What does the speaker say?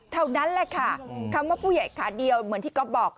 เท่านั้นแหละค่ะคำว่าผู้ใหญ่ขาเดียวเหมือนที่ก๊อฟบอก